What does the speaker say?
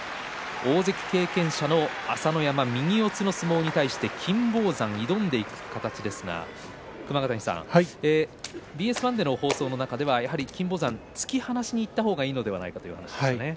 大関経験者の朝乃山右四つの攻めに対して金峰山が挑む形ですが熊ヶ谷さんＢＳ１の放送の中で金峰山、突き放しにいったほうがいいのではないかと話でしたね。